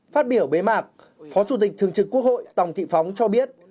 phát biểu bế mạc phó chủ tịch thường trực quốc hội tòng thị phóng cho biết